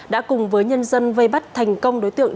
đã cùng với nhân dân vây bắt thành công đối tượng